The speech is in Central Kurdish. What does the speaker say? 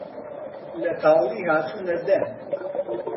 لە تاوڵی هاتوونە دەر